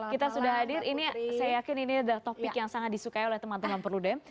kita sudah hadir ini saya yakin ini adalah topik yang sangat disukai oleh teman teman perludem